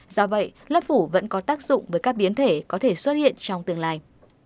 do vậy lớp phủ vẫn có tác dụng với các biến thể có thể xuất hiện trong tương lai